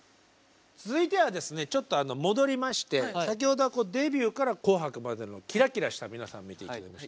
続いてはですねちょっとあの戻りまして先ほどはデビューから「紅白」までのキラキラした皆さん見てきました。